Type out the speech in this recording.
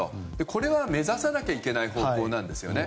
これは、目指さなきゃいけない方向なんですね。